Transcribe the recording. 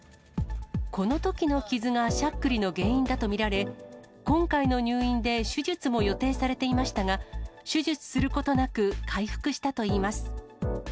このときの傷がしゃっくりの原因だと見られ、今回の入院で手術も予定されていましたが、手術することなく、回復したといいます。